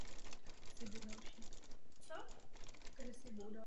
Na hřiště se dostal jako střídající hráč ke konci zápasu.